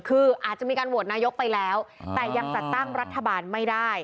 คืออาจจะมีการโหวตนายกไปแล้วแต่ยังจัดตั้งรัฐบาลไม่ได้